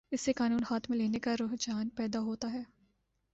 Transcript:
اس سے قانون ہاتھ میں لینے کا رجحان پیدا ہوتا ہے۔